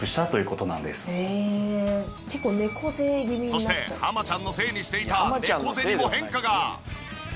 そして浜ちゃんのせいにしていた猫背にも変化が！